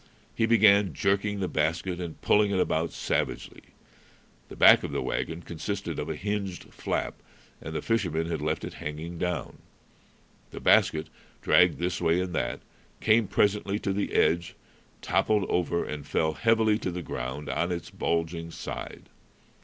He began jerking the basket and pulling it about savagely. The back of the wagon consisted of a hinged flap, and the fishermen had left it hanging down. The basket, dragged this way and that, came presently to the edge, toppled over, and fell heavily to the ground on its bulging side.